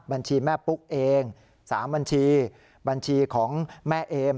บัญชีแม่ปุ๊กเอง๓บัญชีบัญชีของแม่เอม